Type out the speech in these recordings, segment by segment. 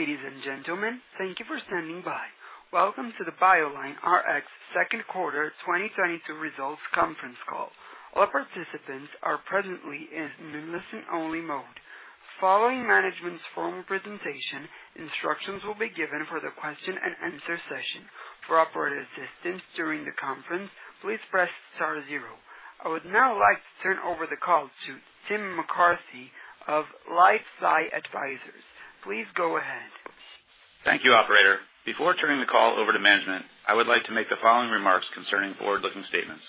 Ladies and gentlemen, thank you for standing by. Welcome to the BioLineRx second quarter 2022 results conference call. All participants are presently in listen-only mode. Following management's formal presentation, instructions will be given for the question and answer session. For operator assistance during the conference, please press star zero. I would now like to turn over the call to Tim McCarthy of LifeSci Advisors. Please go ahead. Thank you, operator. Before turning the call over to management, I would like to make the following remarks concerning forward-looking statements.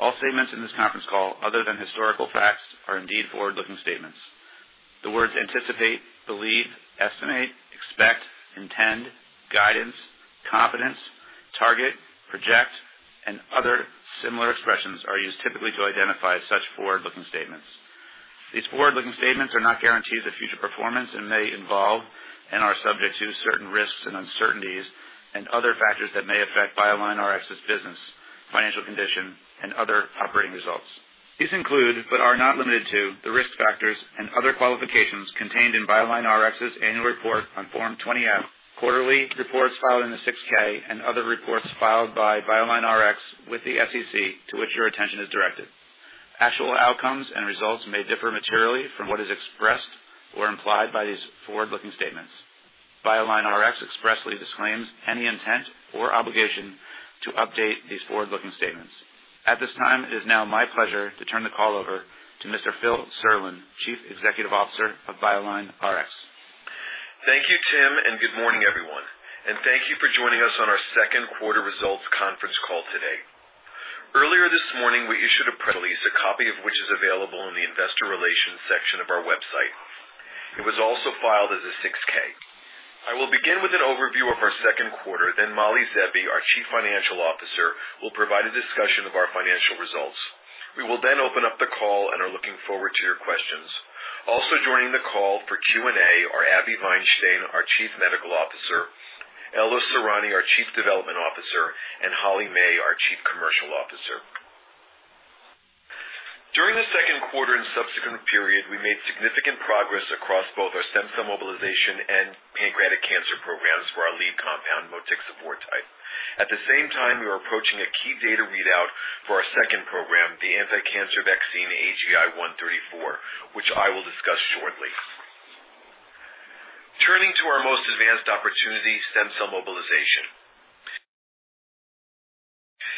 All statements in this conference call other than historical facts are indeed forward-looking statements. The words anticipate, believe, estimate, expect, intend, guidance, confidence, target, project, and other similar expressions are used typically to identify such forward-looking statements. These forward-looking statements are not guarantees of future performance and may involve and are subject to certain risks and uncertainties and other factors that may affect BioLineRx's business, financial condition and other operating results. These include, but are not limited to the risk factors and other qualifications contained in BioLineRx's annual report on Form 20-F, quarterly reports filed on Form 6-K and other reports filed by BioLineRx with the SEC to which your attention is directed. Actual outcomes and results may differ materially from what is expressed or implied by these forward-looking statements. BioLineRx expressly disclaims any intent or obligation to update these forward-looking statements. At this time, it is now my pleasure to turn the call over to Mr. Philip Serlin, Chief Executive Officer of BioLineRx. Thank you, Tim, and good morning, everyone. Thank you for joining us on our second quarter results conference call today. Earlier this morning, we issued a press release, a copy of which is available in the investor relations section of our website. It was also filed as a 6-K. I will begin with an overview of our second quarter, then Mali Zeevi, our Chief Financial Officer, will provide a discussion of our financial results. We will then open up the call and are looking forward to your questions. Also joining the call for Q&A are Abi Vainstein-Haras, our Chief Medical Officer, Ella Sorani, our Chief Development Officer, and Holly May, our Chief Commercial Officer. During the second quarter and subsequent period, we made significant progress across both our stem cell mobilization and pancreatic cancer programs for our lead compound, motixafortide. At the same time, we are approaching a key data readout for our second program, the anti-cancer vaccine AGI-134, which I will discuss shortly. Turning to our most advanced opportunity, stem cell mobilization.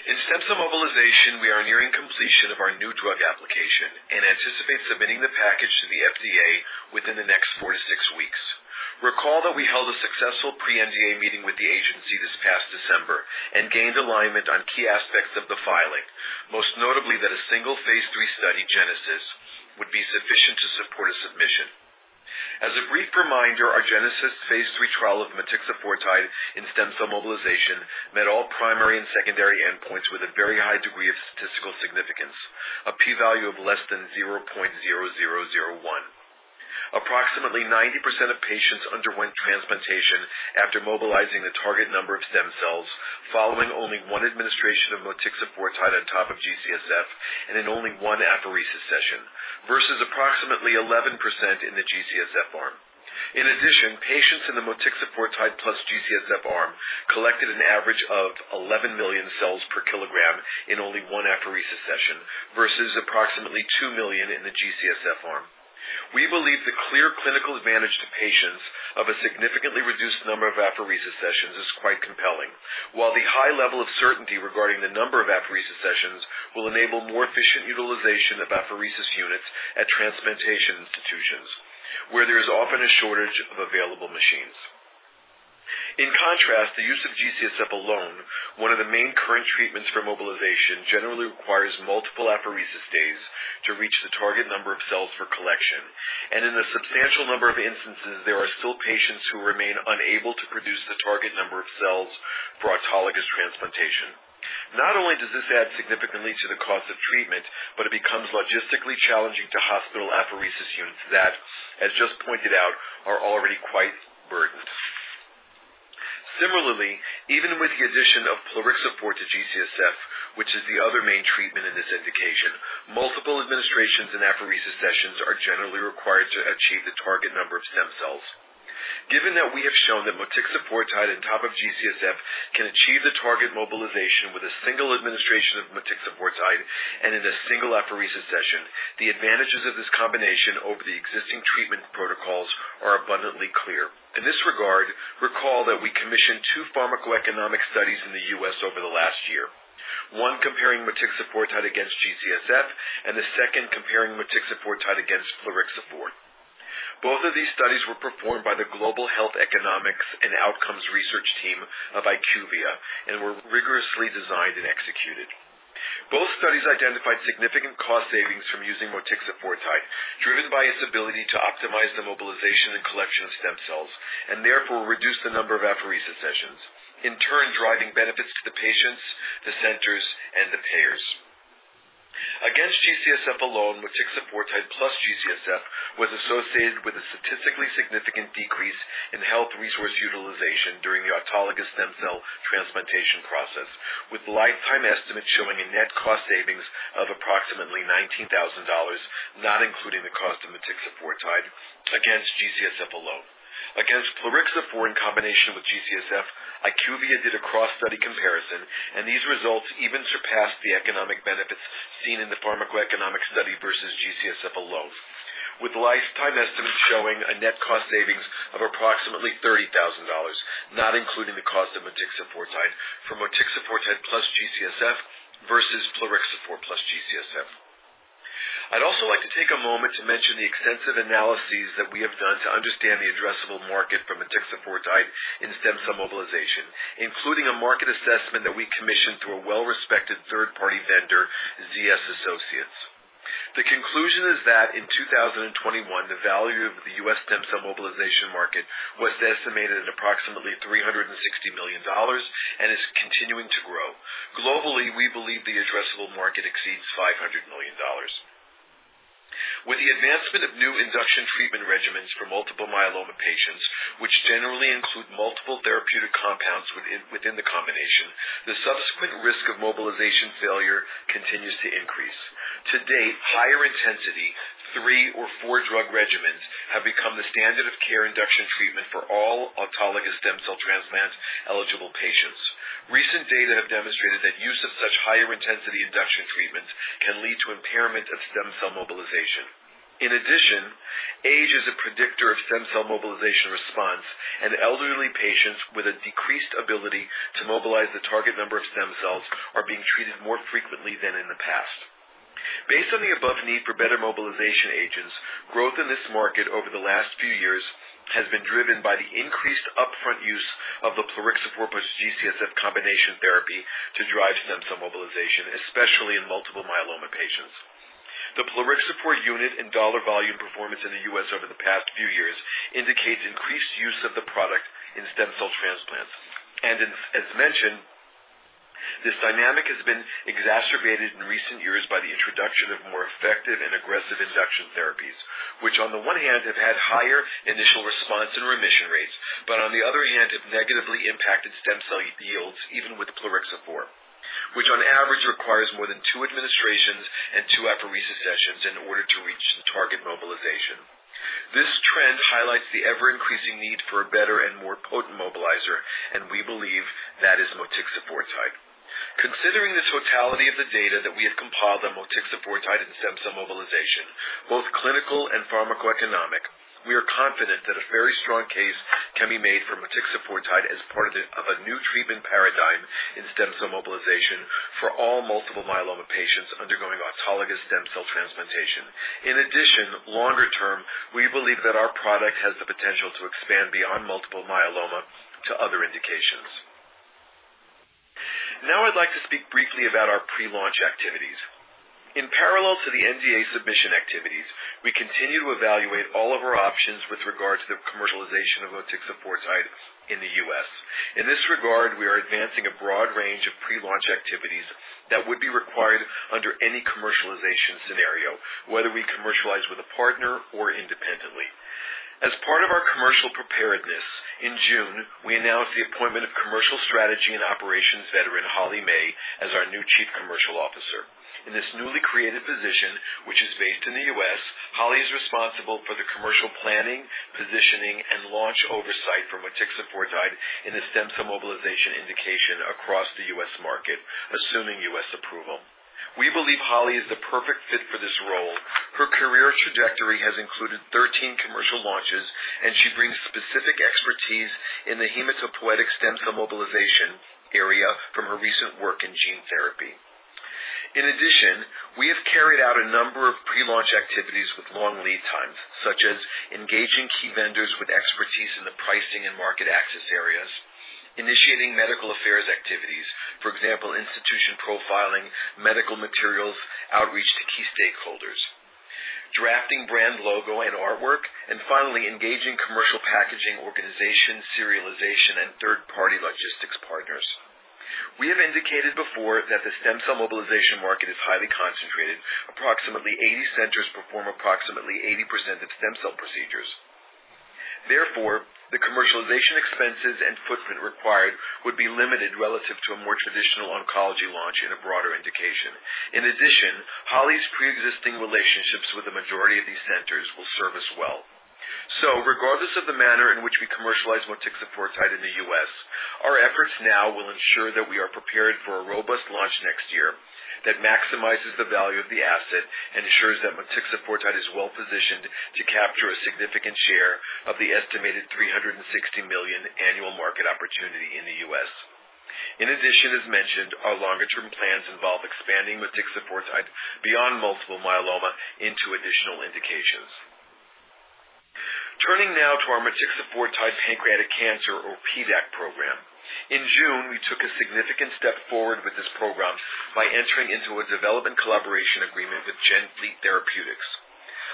In stem cell mobilization, we are nearing completion of our new drug application and anticipate submitting the package to the FDA within the next four to six weeks. Recall that we held a successful pre-NDA meeting with the agency this past December and gained alignment on key aspects of the filing, most notably that a single phase III study, GENESIS, would be sufficient to support a submission. As a brief reminder, our GENESIS phase III trial of motixafortide in stem cell mobilization met all primary and secondary endpoints with a very high degree of statistical significance, a P value of less than 0.0001. Approximately 90% of patients underwent transplantation after mobilizing the target number of stem cells following only one administration of motixafortide on top of GCSF and in only one apheresis session, versus approximately 11% in the GCSF arm. In addition, patients in the motixafortide plus GCSF arm collected an average of 11 million cells per kilogram in only one apheresis session versus approximately 2 million in the GCSF arm. We believe the clear clinical advantage to patients of a significantly reduced number of apheresis sessions is quite compelling. While the high level of certainty regarding the number of apheresis sessions will enable more efficient utilization of apheresis units at transplantation institutions, where there is often a shortage of available machines. In contrast, the use of GCSF alone, one of the main current treatments for mobilization, generally requires multiple apheresis days to reach the target number of cells for collection. In a substantial number of instances, there are still patients who remain unable to produce the target number of cells for autologous transplantation. Not only does this add significantly to the cost of treatment, but it becomes logistically challenging to hospital apheresis units that, as just pointed out, are already quite burdened. Similarly, even with the addition of plerixafor to GCSF, which is the other main treatment in this indication, multiple administrations and apheresis sessions are generally required to achieve the target number of stem cells. Given that we have shown that motixafortide on top of GCSF can achieve the target mobilization with a single administration of motixafortide and in a single apheresis session, the advantages of this combination over the existing treatment protocols are abundantly clear. In this regard, recall that we commissioned two pharmacoeconomic studies in the U.S. over the last year, one comparing motixafortide against G-CSF and the second comparing motixafortide against plerixafor. Both of these studies were performed by the Global Health Economics and Outcomes research team of IQVIA and were rigorously designed and executed. Both studies identified significant cost savings from using motixafortide, driven by its ability to optimize the mobilization and collection of stem cells and therefore reduce the number of apheresis sessions, in turn, driving benefits to the patients, the centers and the payers. Against G-CSF alone, motixafortide plus G-CSF was associated with a statistically significant decrease in healthcare resource utilization during the autologous stem cell transplantation process, with lifetime estimates showing a net cost savings of approximately $19,000, not including the cost of motixafortide against G-CSF alone. Against plerixafor in combination with G-CSF, IQVIA did a cross-study comparison, and these results even surpassed the economic benefits seen in the pharmacoeconomic study versus G-CSF alone, with lifetime estimates showing a net cost savings of approximately $30,000, not including the cost of motixafortide for motixafortide plus G-CSF versus plerixafor plus G-CSF. I'd also like to take a moment to mention the extensive analyses that we have done to understand the addressable market for motixafortide in stem cell mobilization, including a market assessment that we commissioned through a well-respected third-party vendor, ZS Associates. The conclusion is that in 2021, the value of the U.S. stem cell mobilization market was estimated at approximately $360 million and is continuing to grow. Globally, we believe the addressable market exceeds $500 million. With the advancement of new induction treatment regimens for multiple myeloma patients, which generally include multiple therapeutic compounds within the combination, the subsequent risk of mobilization failure continues to increase. To date, higher intensity, three or four drug regimens have become the standard of care induction treatment for all autologous stem cell transplant-eligible patients. Recent data have demonstrated that use of such higher intensity induction treatments can lead to impairment of stem cell mobilization. In addition, age is a predictor of stem cell mobilization response, and elderly patients with a decreased ability to mobilize the target number of stem cells are being treated more frequently than in the past. Based on the above need for better mobilization agents, growth in this market over the last few years has been driven by the increased upfront use of the plerixafor plus G-CSF combination therapy to drive stem cell mobilization, especially in multiple myeloma patients. The plerixafor unit and dollar volume performance in the U.S. over the past few years indicates increased use of the product in stem cell transplants. As mentioned, this dynamic has been exacerbated in recent years by the introduction of more effective and aggressive induction therapies, which on the one hand have had higher initial response and remission rates, but on the other hand have negatively impacted stem cell yields, even with plerixafor, which on average requires more than two administrations and two apheresis sessions in order to reach the target mobilization. This trend highlights the ever-increasing need for a better and more potent mobilizer, and we believe that is motixafortide. Considering the totality of the data that we have compiled on motixafortide and stem cell mobilization, both clinical and pharmacoeconomic, we are confident that a very strong case can be made for motixafortide as part of a new treatment paradigm in stem cell mobilization for all multiple myeloma patients undergoing autologous stem cell transplantation. In addition, longer term, we believe that our product has the potential to expand beyond multiple myeloma to other indications. Now, I'd like to speak briefly about our pre-launch activities. In parallel to the NDA submission activities, we continue to evaluate all of our options with regard to the commercialization of motixafortide in the U.S. In this regard, we are advancing a broad range of pre-launch activities that would be required under any commercialization scenario, whether we commercialize with a partner or independently. As part of our commercial preparedness, in June, we announced the appointment of commercial strategy and operations veteran Holly May as our new Chief Commercial Officer. In this newly created position, which is based in the U.S., Holly is responsible for the commercial planning, positioning, and launch oversight for motixafortide in the stem cell mobilization indication across the U.S. market, assuming U.S. approval. We believe Holly is the perfect fit for this role. Her career trajectory has included 13 commercial launches, and she brings specific expertise in the hematopoietic stem cell mobilization area from her recent work in gene therapy. In addition, we have carried out a number of pre-launch activities with long lead times, such as engaging key vendors with expertise in the pricing and market access areas, initiating medical affairs activities, for example, institution profiling, medical materials, outreach to key stakeholders, drafting brand logo and artwork, and finally, engaging commercial packaging organization, serialization, and third-party logistics partners. We have indicated before that the stem cell mobilization market is highly concentrated. Approximately 80 centers perform approximately 80% of stem cell procedures. Therefore, the commercialization expenses and footprint required would be limited relative to a more traditional oncology launch in a broader indication. In addition, Holly's preexisting relationships with the majority of these centers will serve us well. Regardless of the manner in which we commercialize motixafortide in the U.S., our efforts now will ensure that we are prepared for a robust launch next year that maximizes the value of the asset and ensures that motixafortide is well-positioned to capture a significant share of the estimated $360 million annual market opportunity in the U.S. In addition, as mentioned, our longer-term plans involve expanding motixafortide beyond multiple myeloma into additional indications. Turning now to our motixafortide pancreatic cancer or PDAC program. In June, we took a significant step forward with this program by entering into a development collaboration agreement with GenFleet Therapeutics.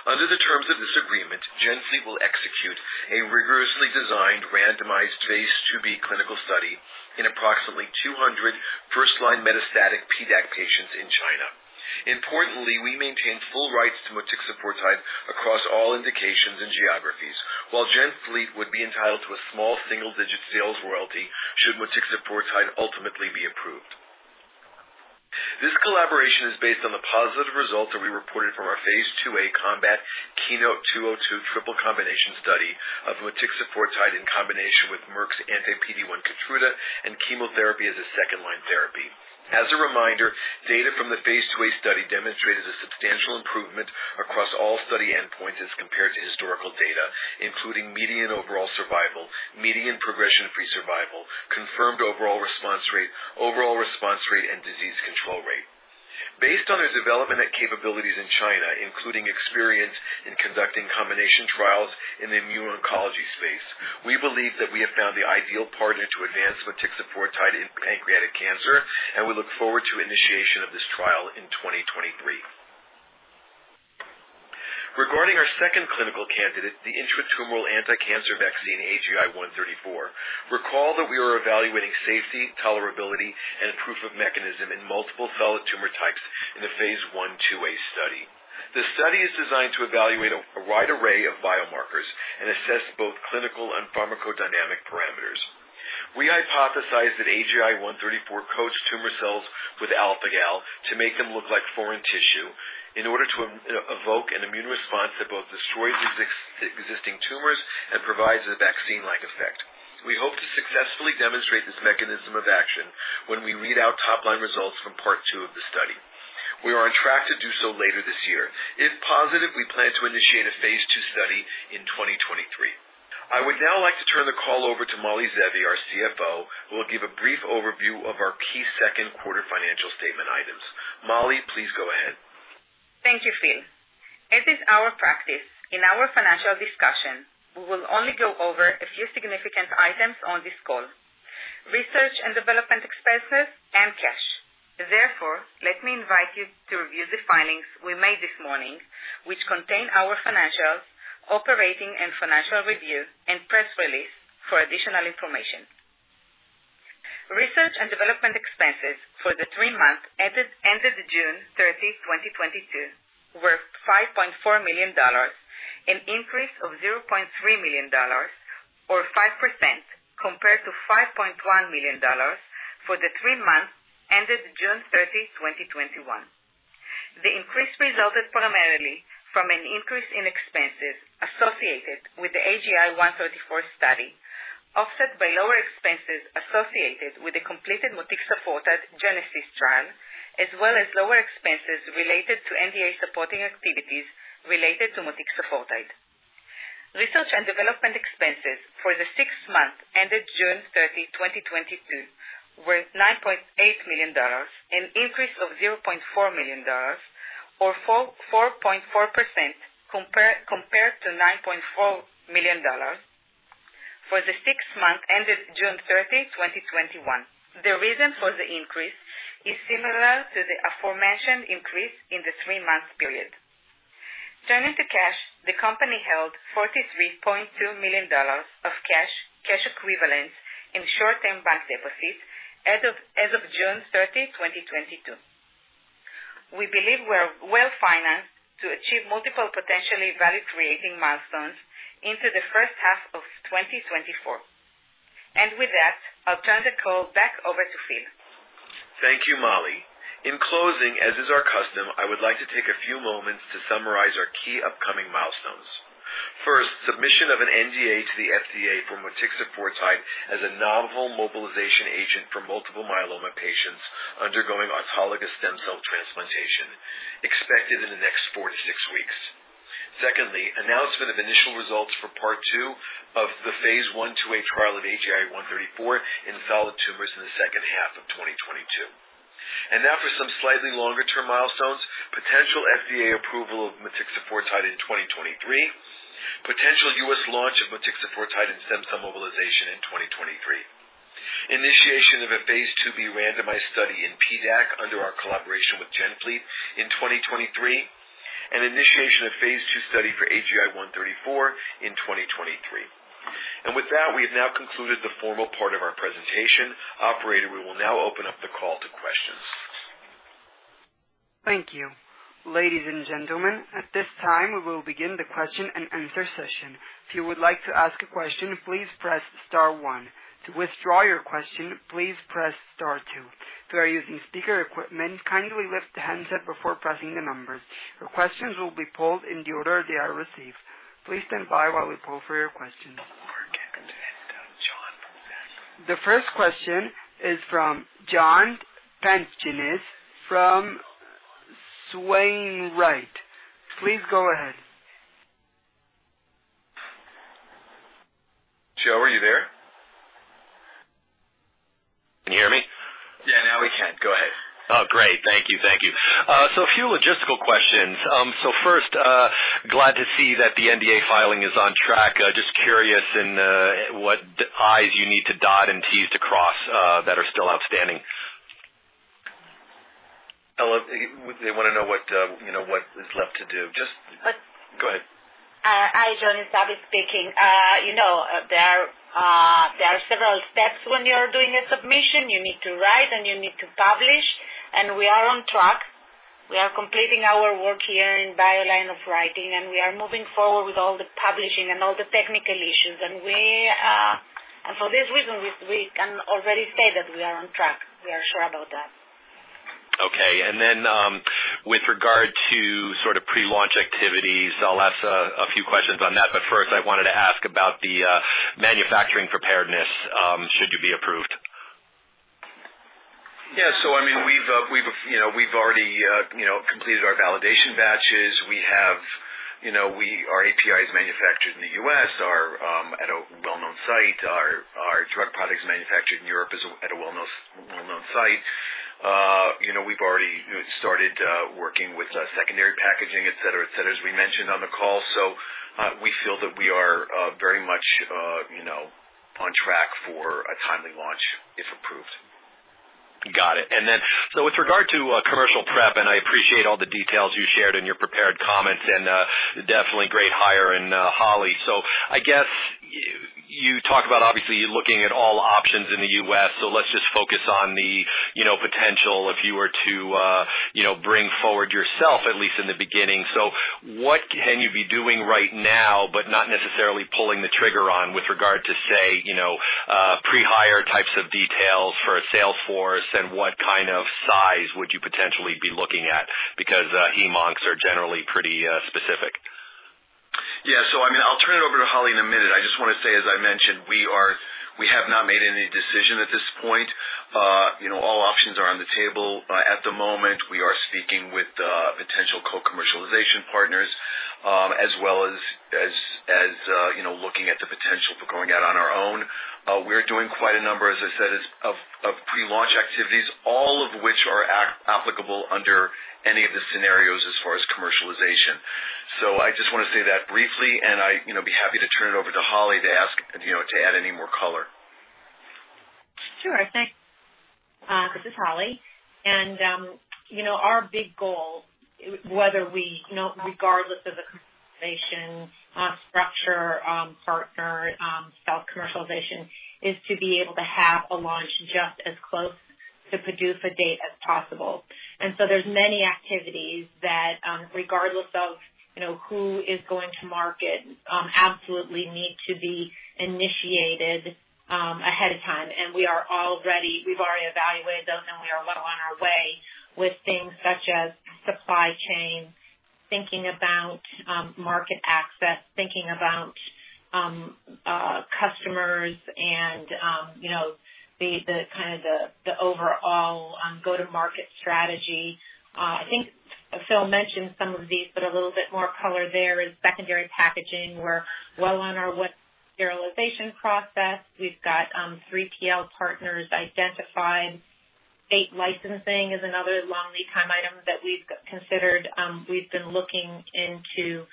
Under the terms of this agreement, GenFleet will execute a rigorously designed, randomized phase II-B clinical study in approximately 200 first-line metastatic PDAC patients in China. Importantly, we maintained full rights to motixafortide across all indications and geographies. While GenFleet would be entitled to a small single-digit sales royalty should motixafortide ultimately be approved. This collaboration is based on the positive results that we reported from our phase II-A COMBAT/KEYNOTE-202 triple combination study of motixafortide in combination with Merck's anti-PD-1 Keytruda and chemotherapy as a second-line therapy. As a reminder, data from the phase II-A study demonstrated a substantial improvement across all study endpoints as compared to historical data, including median overall survival, median progression-free survival, confirmed overall response rate, overall response rate, and disease control rate. Based on their development and capabilities in China, including experience in conducting combination trials in the immuno-oncology space, we believe that we have found the ideal partner to advance motixafortide in pancreatic cancer, and we look forward to initiation of this trial in 2023. Regarding our second clinical candidate, the intratumoral anticancer vaccine, AGI-134. Recall that we are evaluating safety, tolerability, and proof of mechanism in multiple solid tumor types in the phase I/II-A study. The study is designed to evaluate a wide array of biomarkers and assess both clinical and pharmacodynamic parameters. We hypothesize that AGI-134 coats tumor cells with alpha-Gal to make them look like foreign tissue in order to evoke an immune response that both destroys existing tumors and provides a vaccine-like effect. We hope to successfully demonstrate this mechanism of action when we read out top-line results from part 2 of the study. We are on track to do so later this year. If positive, we plan to initiate a phase II study in 2023. I would now like to turn the call over to Mali Zeevi, our CFO, who will give a brief overview of our key second quarter financial statement items. Mali, please go ahead. Thank you, Phil. As is our practice, in our financial discussion, we will only go over a few significant items on this call, research and development expenses and cash. Therefore, let me invite you to review the filings we made this morning, which contain our financials, operating and financial review, and press release for additional information. Research and development expenses for the three months ended June 30, 2022 were $5.4 million, an increase of $0.3 million or 5% compared to $5.1 million for the three months ended June 30, 2021. The increase resulted primarily from an increase in expenses associated with the AGI-134 study, offset by lower expenses associated with the completed motixafortide GENESIS trial, as well as lower expenses related to NDA supporting activities related to motixafortide. Research and development expenses for the six months ended June 30, 2022 were $9.8 million, an increase of $0.4 million or 4.4% compared to $9.4 million for the six months ended June 30, 2021. The reason for the increase is similar to the aforementioned increase in the three-month period. Turning to cash, the company held $43.2 million of cash equivalents and short-term bank deposits as of June 30, 2022. We believe we're well-financed to achieve multiple potentially value-creating milestones into the first half of 2024. With that, I'll turn the call back over to Phil. Thank you, Mali. In closing, as is our custom, I would like to take a few moments to summarize our key upcoming milestones. First, submission of an NDA to the FDA for motixafortide as a novel mobilization agent for multiple myeloma patients undergoing autologous stem cell transplantation, expected in the next four to six weeks. Secondly, announcement of initial results for part 2 of the phase I/II-A trial of AGI-134 in solid tumors in the second half of 2022. Now for some slightly longer-term milestones, potential FDA approval of motixafortide in 2023. Potential U.S. launch of motixafortide in stem cell mobilization in 2023. Initiation of a phase II-B randomized study in PDAC under our collaboration with GenFleet in 2023. Initiation of phase II study for AGI-134 in 2023. With that, we have now concluded the formal part of our presentation. Operator, we will now open up the call to questions. Thank you. Ladies and gentlemen, at this time, we will begin the question-and-answer session. If you would like to ask a question, please press star one. To withdraw your question, please press star two. If you are using speaker equipment, kindly lift the handset before pressing the numbers. Your questions will be pulled in the order they are received. Please stand by while we pull for your question. The first question is from Joe Pantginis from H.C. Wainwright. Please go ahead. Joe, are you there? Can you hear me? Yeah, now we can. Go ahead. Oh, great. Thank you. Thank you. A few logistical questions. First, glad to see that the NDA filing is on track. Just curious in what i's you need to dot and t's to cross that are still outstanding. Well, they wanna know what, you know, what is left to do. Just Uh- Go ahead. Hi, John, it's Abi Vainstein-Haras speaking. You know, there are Several steps when you're doing a submission. You need to write, and you need to publish, and we are on track. We are completing our work here in BioLineRx of writing, and we are moving forward with all the publishing and all the technical issues. For this reason, we can already say that we are on track. We are sure about that. Okay. With regard to sort of pre-launch activities, I'll ask a few questions on that. First, I wanted to ask about the manufacturing preparedness, should you be approved. Yeah. I mean, we've already, you know, completed our validation batches. Our API is manufactured in the U.S. at a well-known site. Our drug product is manufactured in Europe at a well-known site. You know, we've already started working with secondary packaging, et cetera, et cetera, as we mentioned on the call. We feel that we are very much, you know, on track for a timely launch if approved. Got it. With regard to commercial prep, and I appreciate all the details you shared in your prepared comments and definitely great hire in Holly. I guess you talk about obviously looking at all options in the U.S., so let's just focus on the potential if you were to bring forward yourself, at least in the beginning. What can you be doing right now, but not necessarily pulling the trigger on with regard to, say, pre-hire types of details for a sales force? And what kind of size would you potentially be looking at? Because hem-oncs are generally pretty specific. Yeah. I mean, I'll turn it over to Holly in a minute. I just wanna say, as I mentioned, we have not made any decision at this point. You know, all options are on the table. At the moment, we are speaking with potential co-commercialization partners, as well as, you know, looking at the potential for going out on our own. We're doing quite a number, as I said, of pre-launch activities, all of which are applicable under any of the scenarios as far as commercialization. I just wanna say that briefly, and I, you know, be happy to turn it over to Holly to ask, you know, to add any more color. Sure. Thanks. This is Holly. You know, our big goal, whether we, you know, regardless of the conversation, structure, partner, self-commercialization, is to be able to have a launch just as close to PDUFA date as possible. There's many activities that, regardless of, you know, who is going to market, absolutely need to be initiated, ahead of time. We've already evaluated those, and we are well on our way with things such as supply chain, thinking about, market access, thinking about, customers and, you know, the overall, go-to-market strategy. I think Phil mentioned some of these, but a little bit more color there is secondary packaging. We're well on our way with sterilization process. We've got 3PL partners identified. State licensing is another long lead time item that we've considered. We've been looking into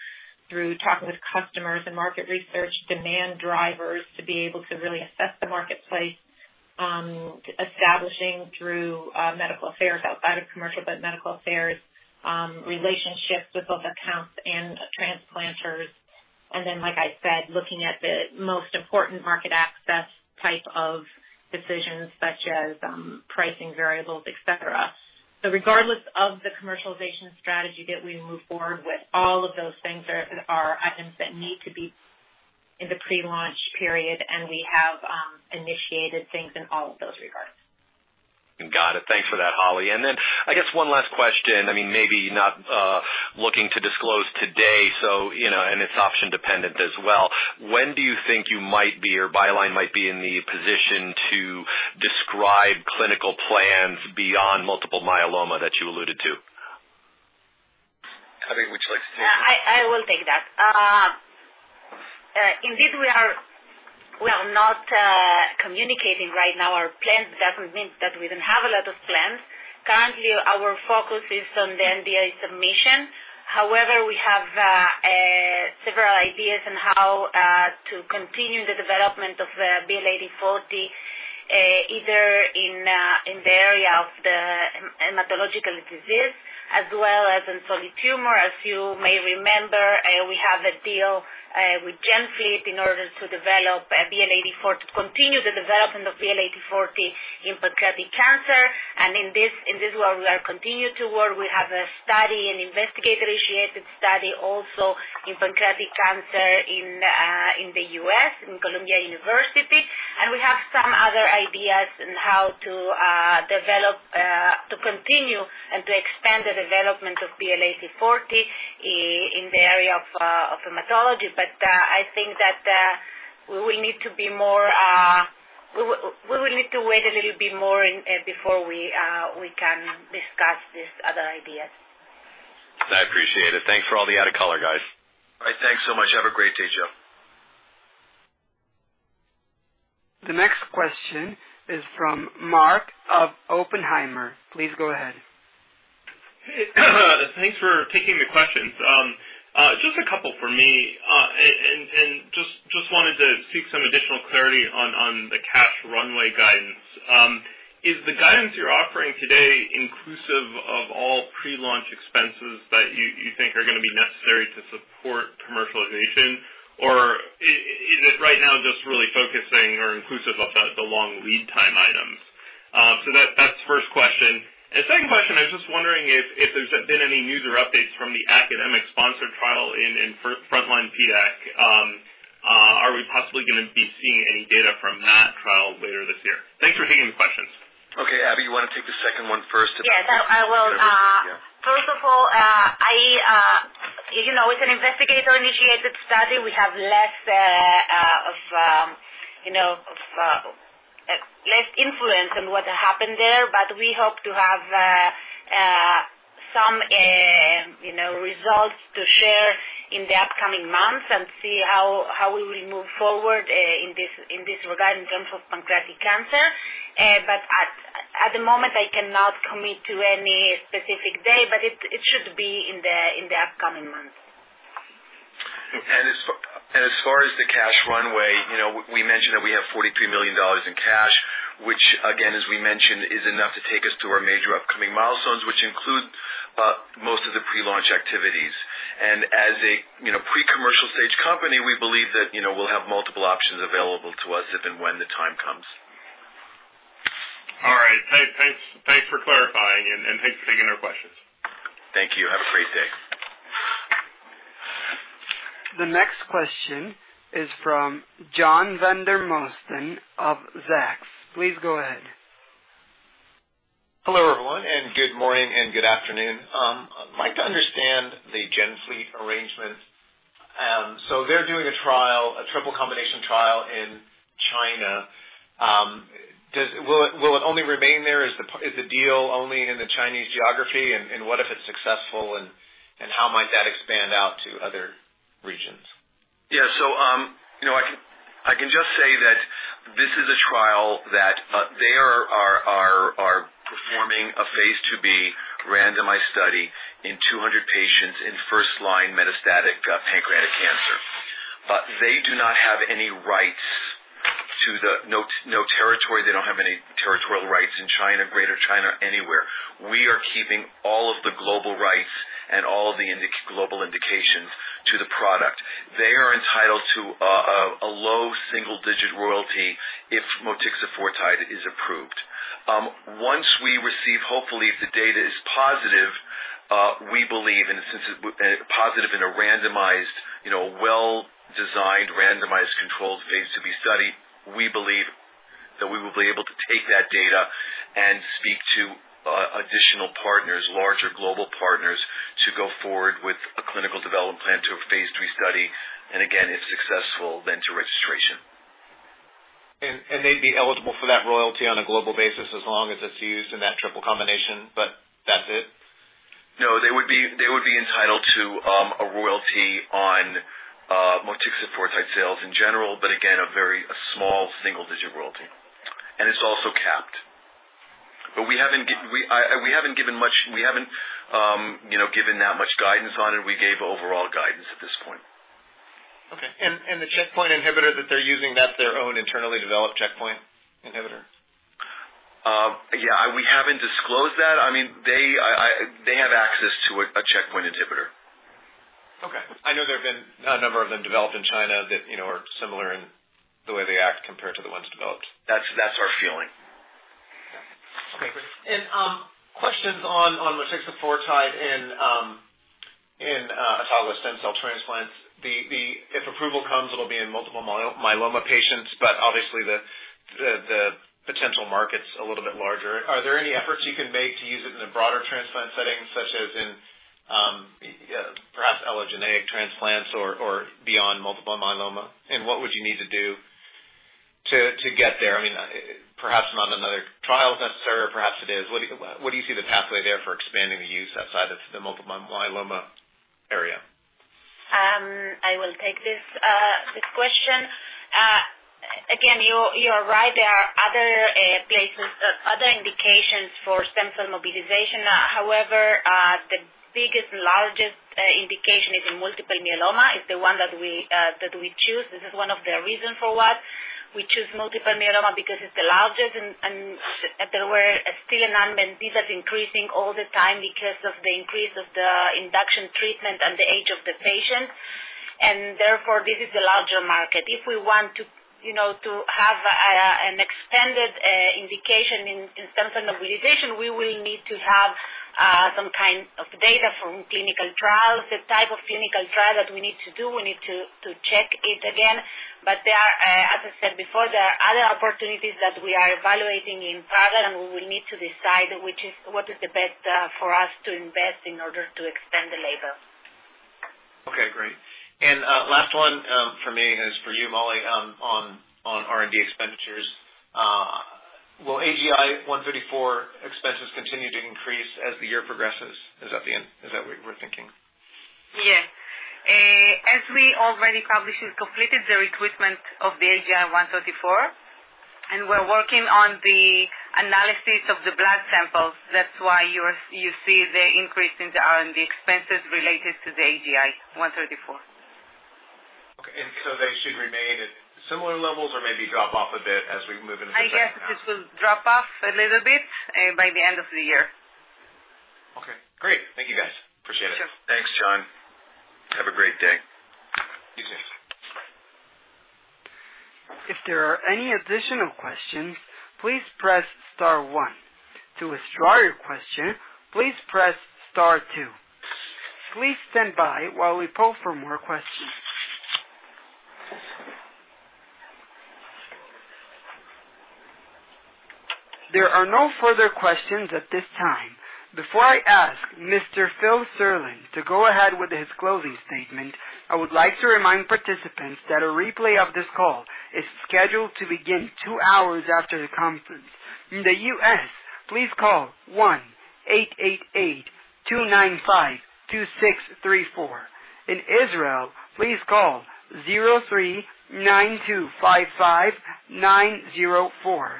through talking with customers and market research, demand drivers to be able to really assess the marketplace, establishing through medical affairs outside of commercial but medical affairs, relationships with both accounts and transplanters. Like I said, looking at the most important market access type of decisions, such as pricing variables, et cetera. Regardless of the commercialization strategy that we move forward with, all of those things are items that need to be in the pre-launch period, and we have initiated things in all of those regards. Got it. Thanks for that, Holly. I guess one last question. I mean, maybe not looking to disclose today, so, you know, and it's option dependent as well. When do you think you might be or BioLineRx might be in the position to describe clinical plans beyond multiple myeloma that you alluded to? Holly, would you like to take that? Yeah. I will take that. Indeed, we are not communicating right now our plans. It doesn't mean that we don't have a lot of plans. Currently, our focus is on the NDA submission. However, we have several ideas on how to continue the development of BL-8040, either in the area of the hematological disease as well as in solid tumor. As you may remember, we have a deal with GenFleet in order to continue the development of BL-8040 in pancreatic cancer. In this world, we continue to work. We have a study, an investigator-initiated study also in pancreatic cancer in the U.S., in Columbia University. We have some other ideas on how to develop to continue and to expand the development of BL-8040 in the area of hematology. I think that we will need to wait a little bit more before we can discuss these other ideas. I appreciate it. Thanks for all the added color, guys. All right. Thanks so much. Have a great day, Joe. The next question is from Mark of Oppenheimer. Please go ahead. Thanks for taking the questions. Just a couple for me. And just wanted to seek some additional clarity on the cash runway guidance. Is the guidance you're offering today inclusive of all pre-launch expenses that you think are gonna be necessary to support commercialization? Or is it right now just really focusing or inclusive of the long lead time items? That's the first question. Second question, I was just wondering if there's been any news or updates from the academic sponsored trial in frontline PDAC. Are we possibly gonna be seeing any data from that trial later this year? Thanks for taking the questions. Okay. Abi, you wanna take the second one first? Yes. I will. First of all, you know, as an investigator-initiated study, we have less influence on what happened there. We hope to have some, you know, results to share in the upcoming months and see how we will move forward in this regard in terms of pancreatic cancer. At the moment, I cannot commit to any specific day, but it should be in the upcoming months. As far as the cash runway, you know, we mentioned that we have $43 million in cash, which again, as we mentioned, is enough to take us to our major upcoming milestones, which include most of the pre-launch activities. As a, you know, pre-commercial stage company, we believe that, you know, we'll have multiple options available to us if and when the time comes. All right. Thanks for clarifying and thanks for taking our questions. Thank you. Have a great day. The next question is from John Vandermosten of Zacks. Please go ahead. Hello, everyone, and good morning and good afternoon. I'd like to understand the GenFleet arrangement. So they're doing a trial, a triple combination trial in China. Will it only remain there? Is the deal only in the Chinese geography? What if it's successful and how might that expand out to other regions? I can just say that this is a trial that they are performing a phase II-B randomized study in 200 patients in first-line metastatic pancreatic cancer. They do not have any territorial rights in China, Greater China, anywhere. We are keeping all of the global rights and all of the global indications to the product. They are entitled to a low single-digit royalty if motixafortide is approved. Once we receive, hopefully, if the data is positive, we believe and positive in a randomized, you know, well-designed, randomized controlled phase II-B study, we believe that we will be able to take that data and speak to, additional partners, larger global partners, to go forward with a clinical development plan to a phase III study, and again, if successful then to registration. They'd be eligible for that royalty on a global basis as long as it's used in that triple combination, but that's it? No, they would be entitled to a royalty on motixafortide sales in general, but again, a very small single-digit royalty. It's also capped. We haven't given much. We haven't you know given that much guidance on it. We gave overall guidance at this point. Okay. The checkpoint inhibitor that they're using, that's their own internally developed checkpoint inhibitor? Yeah, we haven't disclosed that. I mean, they have access to a checkpoint inhibitor. Okay. I know there have been a number of them developed in China that, you know, are similar in the way they act compared to the ones developed. That's our feeling. Okay. Questions on motixafortide in autologous stem cell transplants. If approval comes, it'll be in multiple myeloma patients, but obviously the potential market's a little bit larger. Are there any efforts you can make to use it in a broader transplant setting, such as in, perhaps allogeneic transplants or beyond multiple myeloma? What would you need to do to get there? I mean, perhaps not another trial is necessary, perhaps it is. What do you see the pathway there for expanding the use outside of the multiple myeloma area? I will take this question. Again, you're right. There are other places, other indications for stem cell mobilization. However, the biggest and largest indication is in multiple myeloma, is the one that we choose. This is one of the reason for what we choose multiple myeloma because it's the largest and there were still an unmet need. These are increasing all the time because of the increase of the induction treatment and the age of the patients. Therefore, this is the larger market. If we want to, you know, to have an extended indication in stem cell mobilization, we will need to have some kind of data from clinical trials. The type of clinical trial that we need to do, we need to check it again. There are, as I said before, there are other opportunities that we are evaluating in parallel, and we will need to decide what is the best for us to invest in order to extend the label. Okay, great. Last one from me is for you, Mali, on R&D expenditures. Will AGI-134 expenses continue to increase as the year progresses? Is that the end? Is that what you were thinking? Yes. As we already published, we've completed the recruitment of the AGI-134, and we're working on the analysis of the blood samples. That's why you see the increase in the R&D expenses related to the AGI-134. Okay. They should remain at similar levels or maybe drop off a bit as we move into the second half? I guess it will drop off a little bit by the end of the year. Okay, great. Thank you, guys. Appreciate it. Thanks, John. Have a great day. If there are any additional questions, please press star one. To withdraw your question, please press star two. Please stand by while we poll for more questions. There are no further questions at this time. Before I ask Mr. Philip Serlin to go ahead with his closing statement, I would like to remind participants that a replay of this call is scheduled to begin two hours after the conference. In the U.S., please call 1-888-295-2634. In Israel, please call 03-925-5904.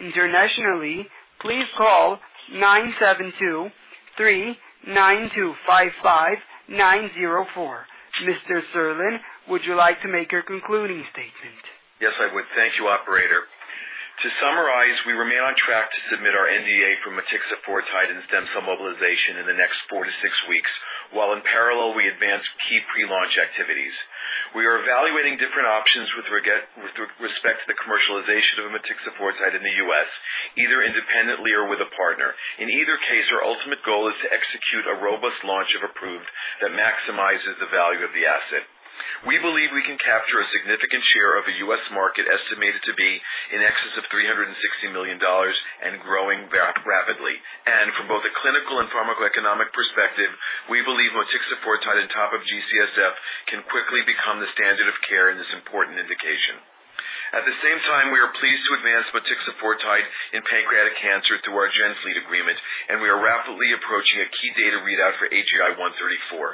Internationally, please call 972-3-925-5904. Mr. Serlin, would you like to make your concluding statement? Yes, I would. Thank you, operator. To summarize, we remain on track to submit our NDA for motixafortide and stem cell mobilization in the next four to six weeks, while in parallel, we advance key pre-launch activities. We are evaluating different options with respect to the commercialization of motixafortide in the U.S., either independently or with a partner. In either case, our ultimate goal is to execute a robust launch if approved that maximizes the value of the asset. We believe we can capture a significant share of the U.S. market, estimated to be in excess of $360 million and growing rapidly. From both a clinical and pharmacoeconomic perspective, we believe motixafortide on top of GCSF can quickly become the standard of care in this important indication. At the same time, we are pleased to advance motixafortide in pancreatic cancer through our GenFleet agreement, and we are rapidly approaching a key data readout for AGI-134.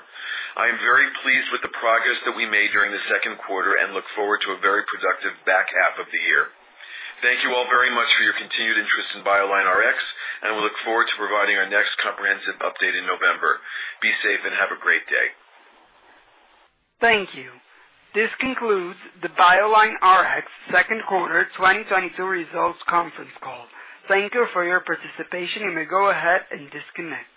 I am very pleased with the progress that we made during the second quarter and look forward to a very productive back half of the year. Thank you all very much for your continued interest in BioLineRx, and we look forward to providing our next comprehensive update in November. Be safe and have a great day. Thank you. This concludes the BioLineRx Second Quarter 2022 Results Conference Call. Thank you for your participation. You may go ahead and disconnect.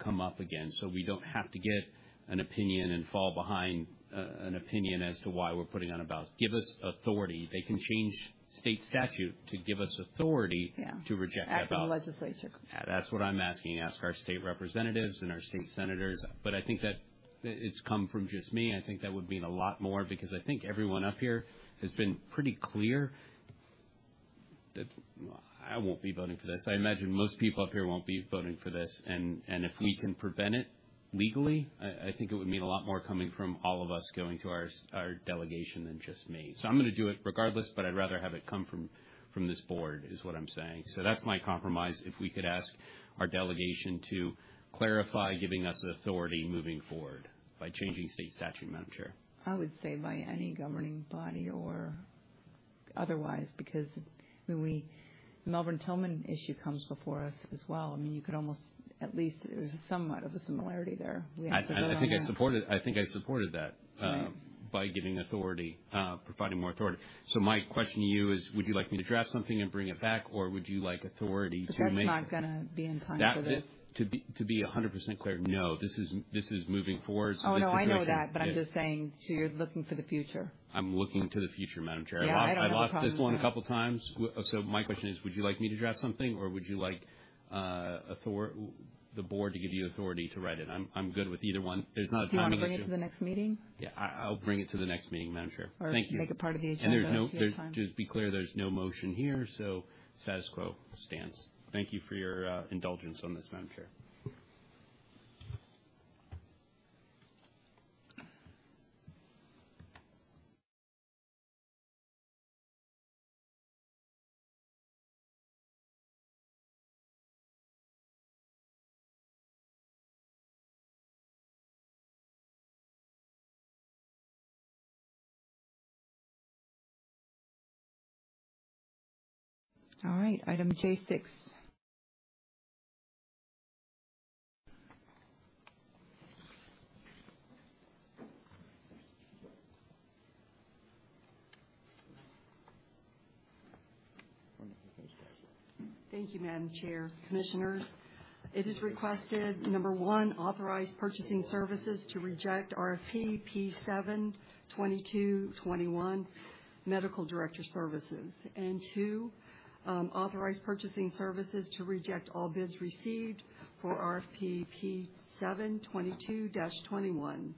Come up again, so we don't have to get an opinion and fall behind, an opinion as to why we're putting on a ballot. Give us authority. They can change state statute to give us authority. Yeah to reject that ballot. At the legislature. Yeah, that's what I'm asking. Ask our state representatives and our state senators. I think that it's come from just me, I think that would mean a lot more because I think everyone up here has been pretty clear that I won't be voting for this. I imagine most people up here won't be voting for this. If we can prevent it legally, I think it would mean a lot more coming from all of us going to our delegation than just me. I'm gonna do it regardless, but I'd rather have it come from this board, is what I'm saying. That's my compromise. If we could ask our delegation to clarify, giving us the authority moving forward by changing state statute, Madam Chair. I would say by any governing body or otherwise, because Tillman Gerngross issue comes before us as well. I mean, you could almost at least there's somewhat of a similarity there. We had to vote on that. I think I supported that. Right. By giving authority, providing more authority. My question to you is, would you like me to draft something and bring it back, or would you like authority to make That's not gonna be in time for this. To be 100% clear, no. This is moving forward, so this is. Oh, no, I know that. Yeah. I'm just saying, so you're looking for the future. I'm looking to the future, Madam Chair. Yeah, I don't have a problem with that. I lost this one a couple times. My question is, would you like me to draft something, or would you like the board to give you authority to write it? I'm good with either one. There's not a timing issue. Do you wanna bring it to the next meeting? Yeah. I'll bring it to the next meeting, Madam Chair. Thank you. Make it part of the agenda if you have time. Just be clear, there's no motion here, so status quo stands. Thank you for your indulgence on this, Madam Chair. All right. Item J6. Thank you, Madam Chair, commissioners. It is requested one authorize purchasing services to reject RFP P72221 Medical Director Services. Two, authorize purchasing services to reject all bids received for RFP P72221.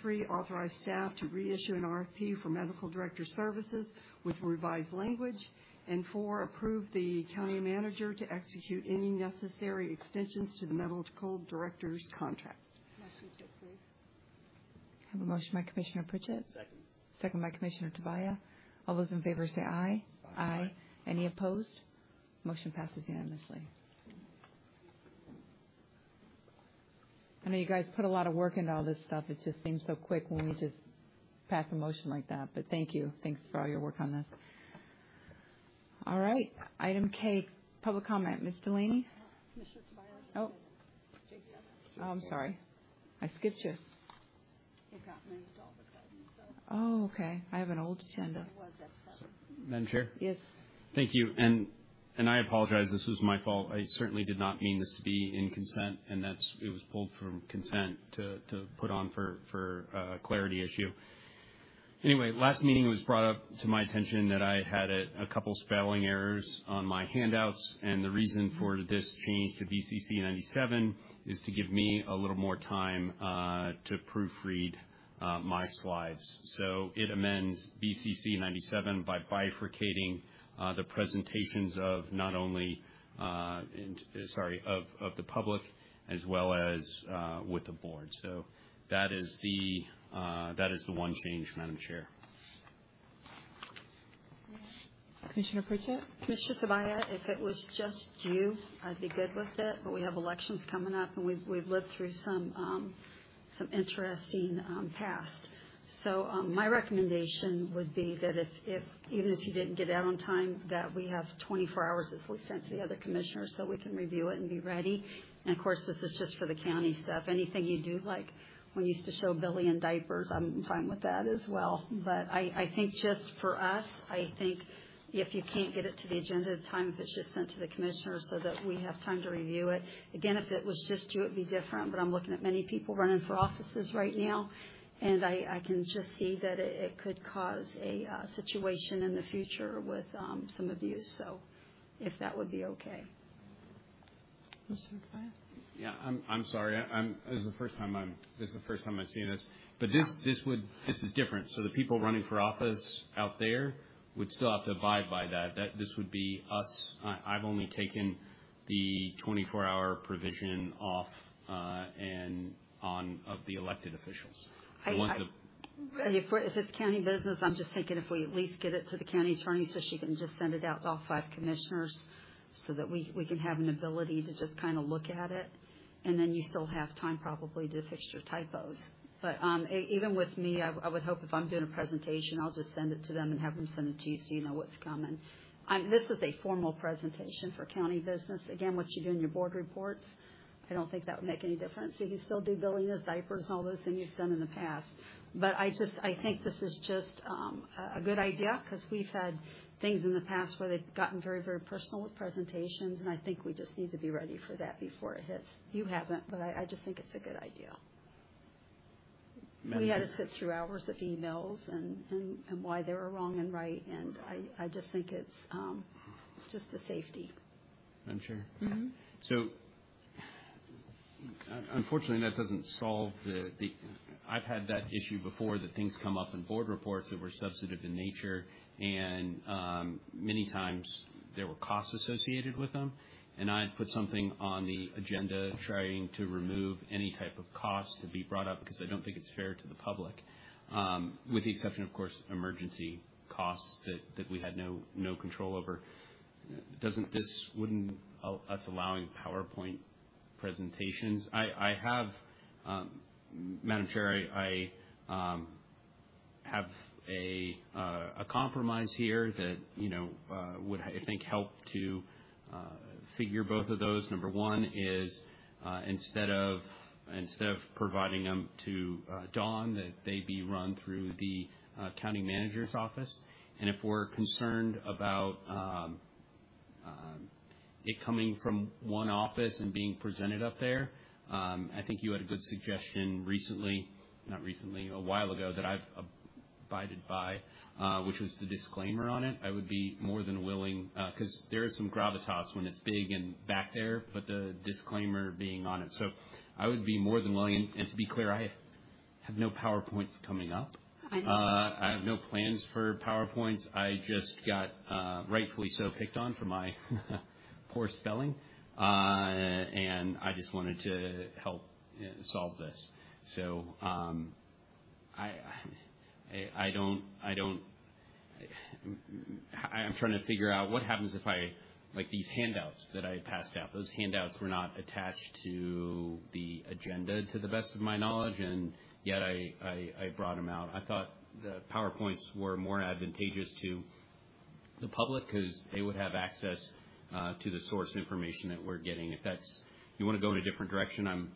Three, authorize staff to reissue an RFP for Medical Director Services with revised language. Four, approve the county manager to execute any necessary extensions to the medical director's contract. Motion to approve. I have a motion by Commissioner Pritchett. Second. Second by Commissioner Tobia. All those in favor say aye. Aye. Any opposed? Motion passes unanimously. I know you guys put a lot of work into all this stuff. It just seems so quick when we just pass a motion like that. Thank you. Thanks for all your work on this. All right, item K, public comment. Ms. Delaney? Commissioner Tobia. Oh. J7. Oh, I'm sorry. I skipped you. It got moved all the time. Oh, okay. I have an old agenda. It was at 7. Madam Chair? Yes. Thank you. I apologize, this was my fault. I certainly did not mean this to be in consent, and that's it was pulled from consent to put on for a clarity issue. Anyway, last meeting, it was brought up to my attention that I had a couple spelling errors on my handouts, and the reason for this change to BCC-97 is to give me a little more time to proofread my slides. It amends BCC-97 by bifurcating the presentations of not only of the public as well as with the board. That is the one change, Madam Chair. Commissioner Pritchett. Commissioner Tobia, if it was just you, I'd be good with it, but we have elections coming up, and we've lived through some interesting past. My recommendation would be that even if you didn't get it out on time, that we have 24 hours before it's sent to the other commissioners so we can review it and be ready. Of course, this is just for the county stuff. Anything you do, like, when you used to show Billy in diapers, I'm fine with that as well. I think just for us, I think if you can't get it to the agenda at the time, if it's just sent to the commissioner so that we have time to review it. Again, if it was just you, it'd be different, but I'm looking at many people running for offices right now, and I can just see that it could cause a situation in the future with some abuse. If that would be okay. Commissioner Tobia. Yeah. I'm sorry. This is the first time I've seen this. Yeah. This is different. The people running for office out there would still have to abide by that this would be us. I've only taken the 24-hour provision off and one of the elected officials. I- What the- If it's county business, I'm just thinking if we at least get it to the county attorney so she can just send it out to all five commissioners so that we can have an ability to just kinda look at it, and then you still have time probably to fix your typos. Even with me, I would hope if I'm doing a presentation, I'll just send it to them and have them send it to you so you know what's coming. This is a formal presentation for county business. What you do in your board reports, I don't think that would make any difference. You still do billing, the diapers, and all those things you've done in the past. I think this is just a good idea 'cause we've had things in the past where they've gotten very, very personal with presentations, and I think we just need to be ready for that before it hits. You haven't, but I just think it's a good idea. We had to sit through hours of emails and why they were wrong and right. I just think it's just a safety. Madam Chair? Mm-hmm. Unfortunately, that doesn't solve the. I've had that issue before, that things come up in board reports that were substantive in nature, and many times there were costs associated with them, and I'd put something on the agenda trying to remove any type of cost to be brought up because I don't think it's fair to the public. With the exception of course, emergency costs that we had no control over. Wouldn't us allowing PowerPoint presentations. I have, Madam Chair, I have a compromise here that, you know, would, I think, help to figure both of those. Number one is, instead of providing them to Don, that they be run through the county manager's office. If we're concerned about it coming from one office and being presented up there, I think you had a good suggestion a while ago that I abided by, which was the disclaimer on it. I would be more than willing, 'cause there is some gravitas when it's big and back there, but the disclaimer being on it. I would be more than willing. To be clear, I have no PowerPoints coming up. I know. I have no plans for PowerPoints. I just got, rightfully so, picked on for my poor spelling. I just wanted to help solve this. I'm trying to figure out what happens, like, these handouts that I passed out. Those handouts were not attached to the agenda to the best of my knowledge, and yet I brought them out. I thought the PowerPoints were more advantageous to the public 'cause they would have access to the source information that we're getting. If you wanna go in a different direction, I'm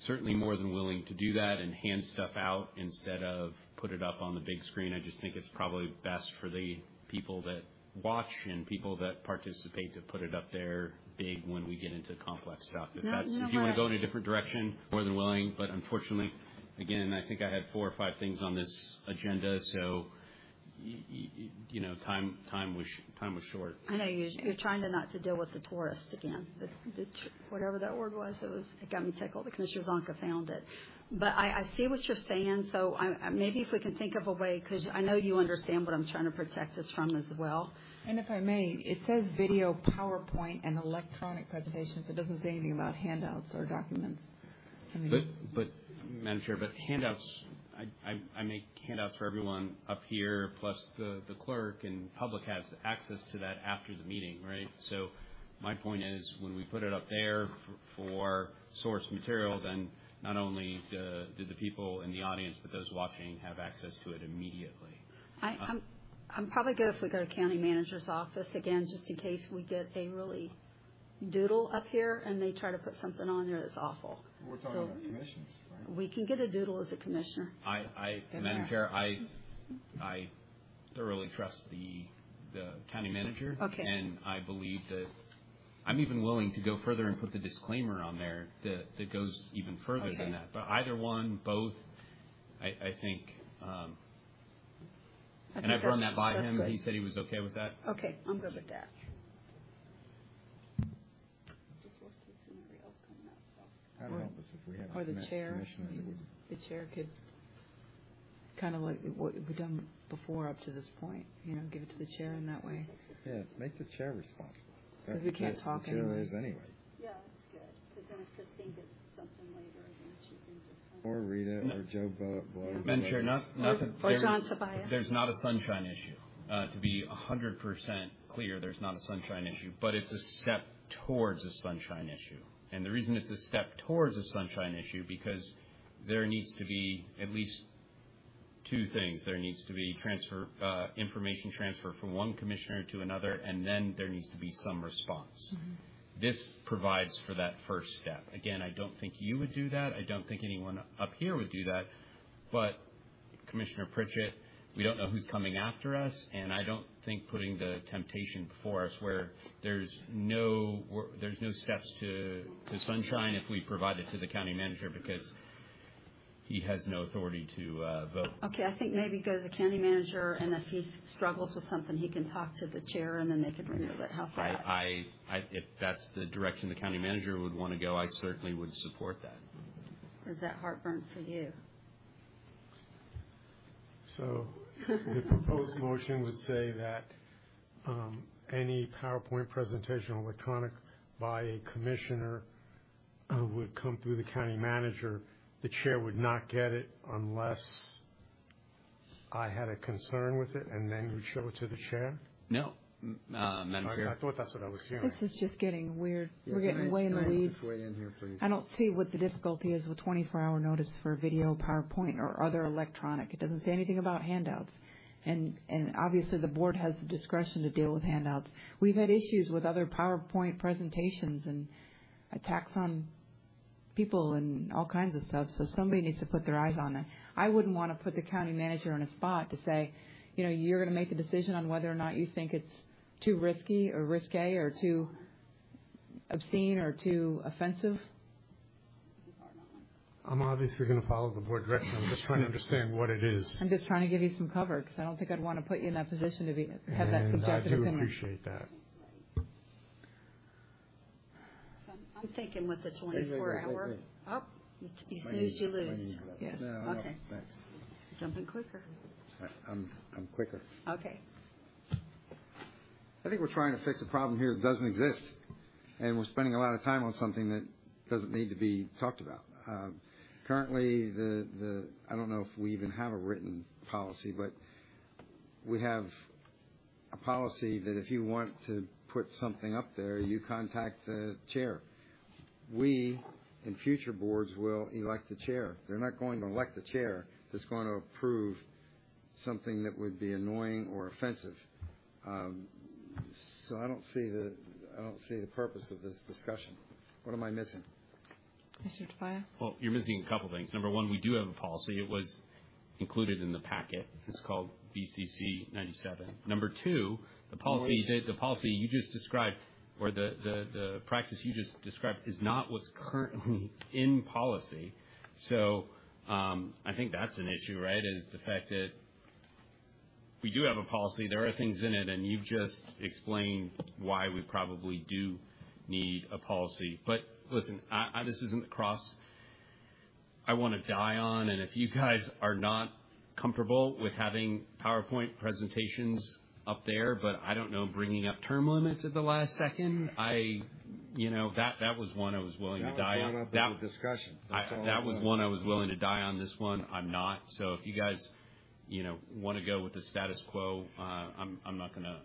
certainly more than willing to do that and hand stuff out instead of put it up on the big screen. I just think it's probably best for the people that watch and people that participate to put it up there big when we get into complex stuff. No, no. If that's if you wanna go in a different direction, more than willing, but unfortunately, again, I think I had four or five things on this agenda, so you know, time was short. I know you're trying not to deal with the tourists again. Whatever that word was, it got me tickled because Commissioner Zonka found it. I see what you're saying, maybe if we can think of a way, 'cause I know you understand what I'm trying to protect us from as well. If I may, it says video, PowerPoint, and electronic presentations. It doesn't say anything about handouts or documents. I mean. Madam Chair, handouts, I make handouts for everyone up here, plus the clerk, and public has access to that after the meeting, right? My point is, when we put it up there for source material, then not only do the people in the audience, but those watching have access to it immediately. I'm probably good if we go to county manager's office again, just in case we get a really doozy up here and they try to put something on there that's awful. We're talking about commissioners, right? We can get a doodle as a commissioner. I- In there. Madam Chair, I thoroughly trust the county manager. Okay. I believe that, I'm even willing to go further and put the disclaimer on there that goes even further than that. Okay. Either one, both, I think. I think that's good. I've run that by him, and he said he was okay with that. Okay, I'm good with that. Just, we'll see somebody else coming up, so. I don't know, but if we have. The chair. Commission meeting. Kinda like what we've done before up to this point, you know? Give it to the chair in that way. Yeah, make the chair responsible. 'Cause we can't talk anymore. The chair is anyway. Yeah, that's good. 'Cause then if Kristine gets something later, then she can just kind of Rita or Joe Tobia. Madam Chair, not that. John Tobia. There's not a sunshine issue. To be 100% clear, there's n ot a sunshine issue, but it's a step towards a sunshine issue. The reason it's a step towards a sunshine issue, because there needs to be at least two things. There needs to be information transfer from one commissioner to another, and then there needs to be some response. Mm-hmm. This provides for that first step. Again, I don't think you would do that. I don't think anyone up here would do that. Commissioner Pritchett, we don't know who's coming after us, and I don't think putting the temptation before us where there's no steps to sunshine if we provide it to the county manager because he has no authority to vote. Okay, I think maybe go to the county manager, and if he struggles with something, he can talk to the chair, and then they can remove it. How's that? If that's the direction the county manager would wanna go, I certainly would support that. Is that heartburn for you? The proposed motion would say that any PowerPoint presentation or electronic by a commissioner would come through the county manager. The Chair would not get it unless I had a concern with it, and then would show it to the Chair? No, Madam Chair- Okay. I thought that's what I was hearing. This is just getting weird. We're getting way in the weeds. Can I just weigh in here, please? I don't see what the difficulty is with 24-hour notice for a video, PowerPoint, or other electronic. It doesn't say anything about handouts. Obviously the board has the discretion to deal with handouts. We've had issues with other PowerPoint presentations and attacks on people and all kinds of stuff, so somebody needs to put their eyes on it. I wouldn't wanna put the county manager in a spot to say, you know, "You're gonna make a decision on whether or not you think it's too risky or risqué or too obscene or too offensive? I'm obviously gonna follow the board direction. I'm just trying to understand what it is. I'm just trying to give you some cover, 'cause I don't think I'd wanna put you in that position to be, have that subjective opinion. I do appreciate that. I'm thinking with the 24-hour. Wait. Oh, you snoozed, you lose. My name's up. Yes. Okay. No, no, thanks. Jumping quicker. I'm quicker. Okay. I think we're trying to fix a problem here that doesn't exist, and we're spending a lot of time on something that doesn't need to be talked about. Currently, I don't know if we even have a written policy, but we have a policy that if you want to put something up there, you contact the chair. We, in future boards, will elect a chair. They're not going to elect a chair that's gonna approve something that would be annoying or offensive. I don't see the purpose of this discussion. What am I missing? Commissioner Tobia. Well, you're missing a couple things. Number one, we do have a policy. It was included in the packet. It's called BCC-97. Number two, the policy. It was? The policy you just described or the practice you just described is not what's currently in policy. I think that's an issue, right? It's the fact that we do have a policy, there are things in it, and you've just explained why we probably do need a policy. Listen, this isn't the cross I wanna die on. If you guys are not comfortable with having PowerPoint presentations up there, but I don't know, bringing up term limits at the last second, you know, that was one I was willing to die on. That was brought up in a discussion. That's all I was. That was one I was willing to die on. This one I'm not. If you guys, you know, wanna go with the status quo, I'm not gonna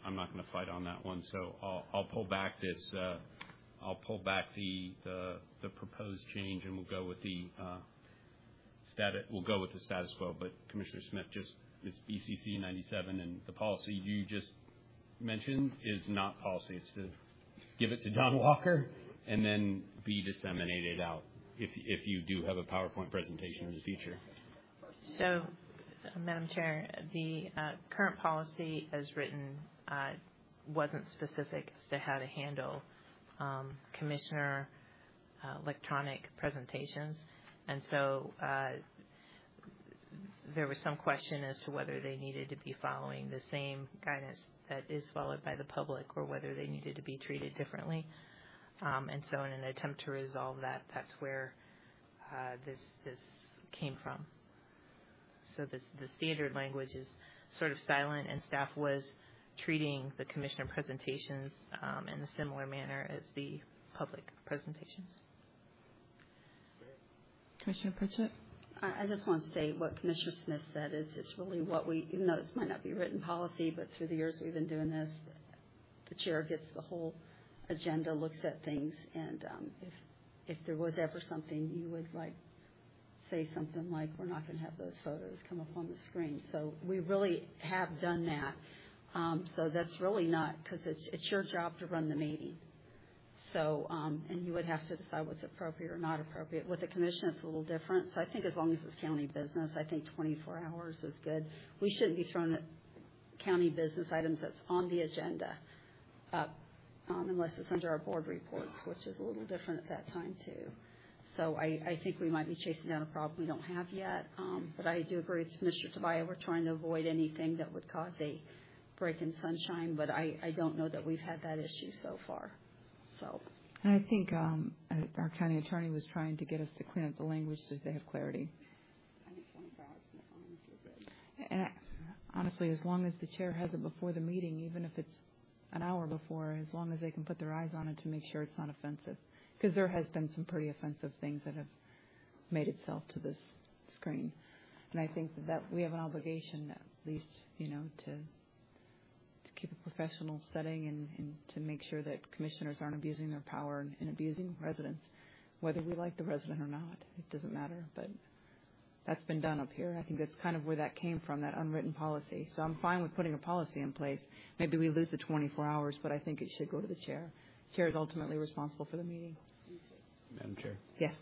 fight on that one. I'll pull back the proposed change, and we'll go with the status quo. Commissioner Smith just, it's BCC-97, and the policy you just mentioned is not policy. It's the give it to John Walker and then be disseminated out if you do have a PowerPoint presentation in the future. Madam Chair, the current policy as written wasn't specific as to how to handle commissioner electronic presentations. There was some question as to whether they needed to be following the same guidance that is followed by the public or whether they needed to be treated differently. In an attempt to resolve that's where this came from. The standard language is sort of silent, and staff was treating the commissioner presentations in a similar manner as the public presentations. Commissioner Pritchett. I just want to say what Commissioner Smith said is it's really what we even though this might not be written policy, but through the years we've been doing this, the chair gets the whole agenda, looks at things and if there was ever something, you would like say something like, "We're not gonna have those photos come up on the screen." We really have done that. That's really not 'cause it's your job to run the meeting. You would have to decide what's appropriate or not appropriate. With the commission, it's a little different. I think as long as it's county business, I think 24 hours is good. We shouldn't be throwing county business items that's on the agenda up unless it's under our board reports, which is a little different at that time, too. I think we might be chasing down a problem we don't have yet. But I do agree with Commissioner Tobia. We're trying to avoid anything that would cause a break in sunshine, but I don't know that we've had that issue so far, so. I think, our county attorney was trying to get us to clean up the language so they have clarity. I think 24 hours is fine if you're good. Honestly, as long as the chair has it before the meeting, even if it's an hour before, as long as they can put their eyes on it to make sure it's not offensive. 'Cause there has been some pretty offensive things that have made itself to this screen. I think that we have an obligation at least, you know, to keep a professional setting and to make sure that commissioners aren't abusing their power and abusing residents. Whether we like the resident or not, it doesn't matter. That's been done up here, and I think that's kind of where that came from, that unwritten policy. I'm fine with putting a policy in place. Maybe we lose the 24 hours, but I think it should go to the chair. Chair is ultimately responsible for the meeting. Madam Chair. Yes.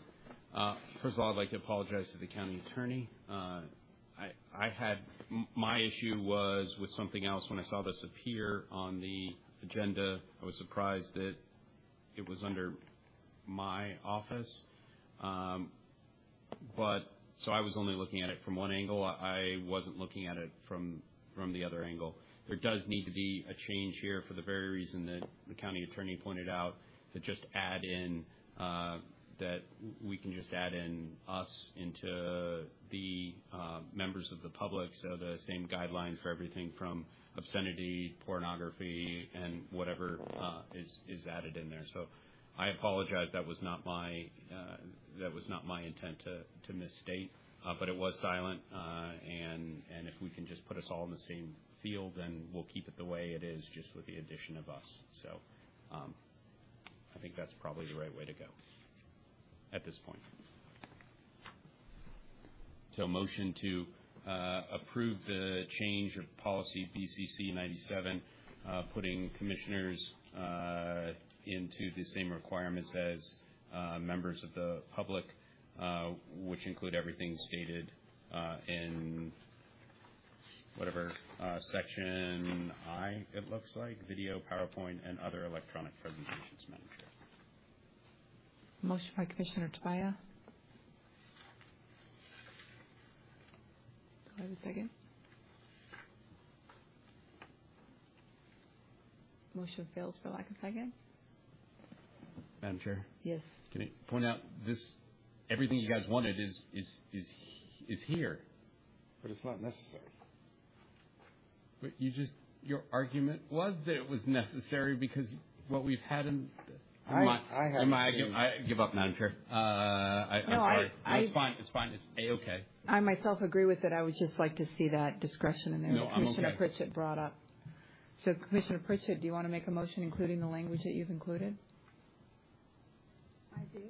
First of all, I'd like to apologize to the county attorney. I had my issue was with something else. When I saw this appear on the agenda, I was surprised that it was under my office. I was only looking at it from one angle. I wasn't looking at it from the other angle. There does need to be a change here for the very reason that the county attorney pointed out, to just add in that we can just add in us into the members of the public, so the same guidelines for everything from obscenity, pornography, and whatever is added in there. I apologize. That was not my intent to misstate, but it was silent. If we can just put us all in the same field, then we'll keep it the way it is, just with the addition of us. I think that's probably the right way to go at this point. Motion to approve the change of policy BCC-97, putting commissioners into the same requirements as members of the public, which include everything stated in whatever section I, it looks like Video, PowerPoint, and other electronic presentations, Madam Chair. Motion by Commissioner Tobia. Do I have a second? Motion fails for lack of second. Madam Chair? Yes. Can I point out this. Everything you guys wanted is here. It's not necessary. Your argument was that it was necessary because what we've had in I had- I give up, Madam Chair. I'm sorry. No. It's fine. It's fine. It's A-okay. I myself agree with it. I would just like to see that discretion in there. No, I'm okay. that Commissioner Pritchett brought up. Commissioner Pritchett, do you wanna make a motion including the language that you've included? I do.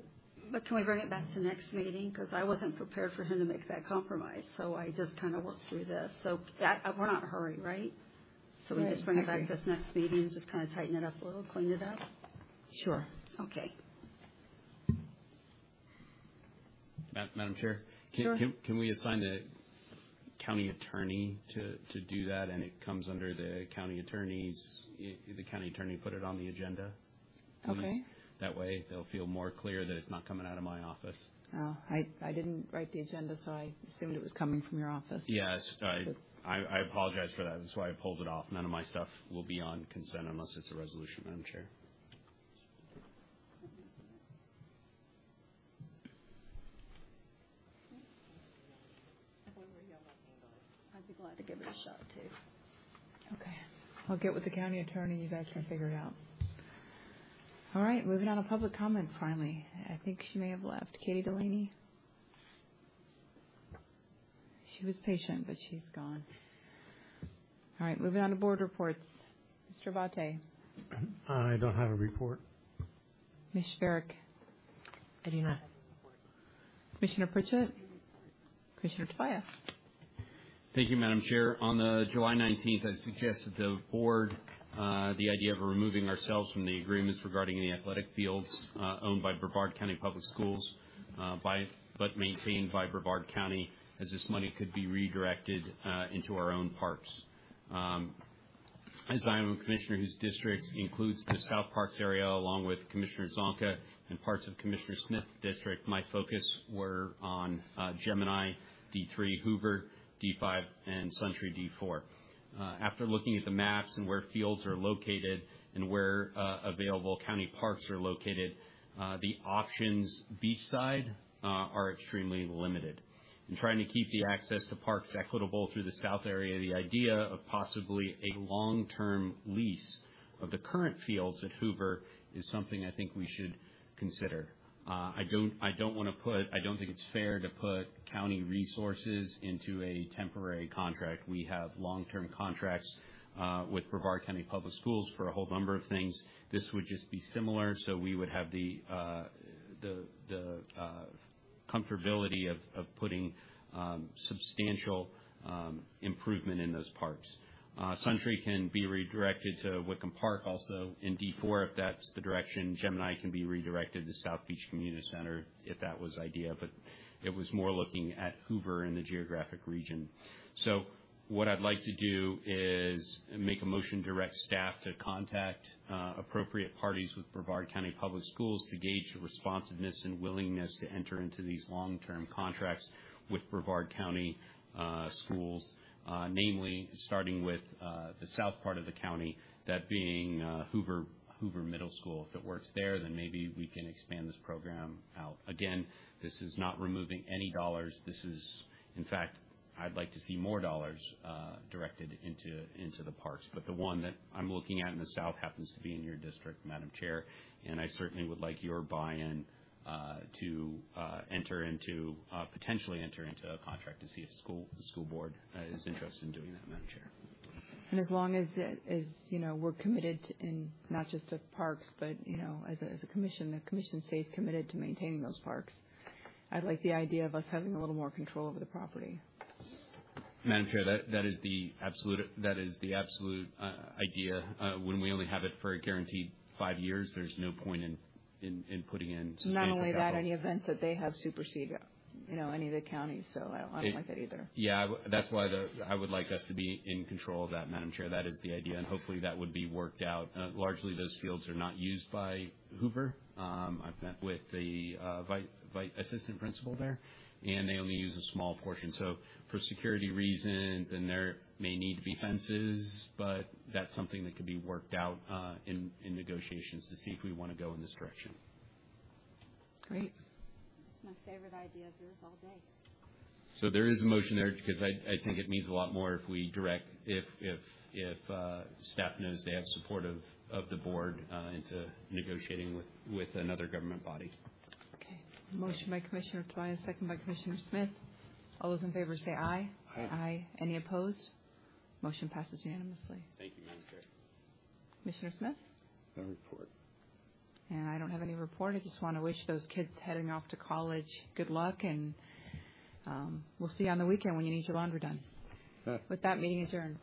Can we bring it back to next meeting? 'Cause I wasn't prepared for him to make that compromise, so I just kinda worked through this. Yeah, we're not in a hurry, right? Yeah, I agree. We just bring it back this next meeting and just kinda tighten it up a little, clean it up. Sure. Okay. Madam Chair? Sure. Can we assign a county attorney to do that and it comes under the county attorney's if the county attorney put it on the agenda? Okay. That way they'll feel more clear that it's not coming out of my office. Oh, I didn't write the agenda, so I assumed it was coming from your office. Yes. I apologize for that. That's why I pulled it off. None of my stuff will be on consent unless it's a resolution, Madam Chair. I wonder where you're getting that. I'd be glad to give it a shot too. Okay. I'll get with the county attorney. You guys can figure it out. All right, moving on to public comment finally. I think she may have left. Katie Delaney? She was patient, but she's gone. All right, moving on to board reports. Mr. Abate. I don't have a report. Ms. Shurick. I do not. Commissioner Pritchett. Commissioner Tobia. Thank you, Madam Chair. On the July nineteenth, I suggested the board the idea of removing ourselves from the agreements regarding any athletic fields owned by Brevard County Public Schools but maintained by Brevard County, as this money could be redirected into our own parks. As I am a commissioner whose district includes the South Parks area, along with Commissioner Zonka and parts of Commissioner Smith's district, my focus were on Gemini, D3, Hoover, D5, and Century, D4. After looking at the maps and where fields are located and where available county parks are located, the options beachside are extremely limited. In trying to keep the access to parks equitable through the south area, the idea of possibly a long-term lease of the current fields at Hoover is something I think we should consider. I don't think it's fair to put county resources into a temporary contract. We have long-term contracts with Brevard County Public Schools for a whole number of things. This would just be similar, so we would have the comfortability of putting substantial improvement in those parks. Century can be redirected to Wickham Park also in D4, if that's the direction. Gemini can be redirected to South Beach Community Center if that was the idea, but it was more looking at Hoover in the geographic region. What I'd like to do is make a motion, direct staff to contact appropriate parties with Brevard County Public Schools to gauge the responsiveness and willingness to enter into these long-term contracts with Brevard County Schools. Namely starting with the south part of the county, that being Hoover Middle School. If it works there, then maybe we can expand this program out. Again, this is not removing any dollars. In fact, I'd like to see more dollars directed into the parks. The one that I'm looking at in the south happens to be in your district, Madam Chair, and I certainly would like your buy-in to enter into a contract to see if the school board is interested in doing that, Madam Chair. As long as, you know, we're committed to, and not just to parks, but, you know, as a commission, the commission stays committed to maintaining those parks. I like the idea of us having a little more control over the property. Madam Chair, that is the absolute idea. When we only have it for a guaranteed five years, there's no point in putting in substantial capital. Not only that, any events that they have supersede, you know, any of the county's, so I don't like that either. That's why I would like us to be in control of that, Madam Chair. That is the idea, and hopefully, that would be worked out. Largely, those fields are not used by Hoover. I've met with the vice principal there, and they only use a small portion. For security reasons, and there may need to be fences, but that's something that could be worked out in negotiations to see if we wanna go in this direction. Great. It's my favorite idea of yours all day. There is a motion there because I think it means a lot more if we direct staff knows they have support of the board into negotiating with another government body. Okay. Motion by Commissioner Tobia, second by Commissioner Smith. All those in favor say aye. Aye. Aye. Any opposed? Motion passes unanimously. Thank you, Madam Chair. Commissioner Smith? No report. I don't have any report. I just wanna wish those kids heading off to college good luck and, we'll see you on the weekend when you need your laundry done. With that, meeting adjourned.